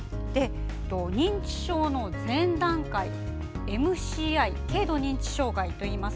認知症の前段階ＭＣＩ＝軽度認知障害といいます。